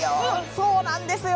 そうなんですよ